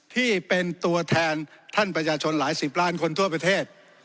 ที่เป็นตัวแทนท่านประชาชนหลายสิบล้านคนทั่วประเทศ